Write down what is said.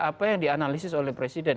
apa yang dianalisis oleh presiden